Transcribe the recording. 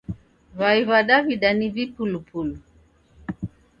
W'ai wa daw'ida ni vipulupulu